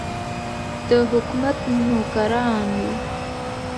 د حکومت نوکران یو.